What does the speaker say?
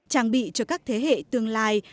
trang bị cho các thế hệ tương lai